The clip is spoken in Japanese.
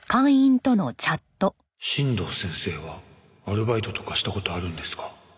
「新道先生はアルバイトとかしたことあるんですか？」